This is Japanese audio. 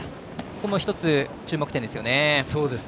ここも一つ、注目点ですよね。